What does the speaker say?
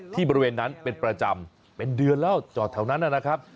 บริเวณนั้นเป็นประจำเป็นเดือนแล้วจอดแถวนั้นนะครับ